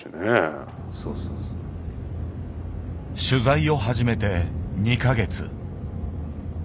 取材を始めて２か月。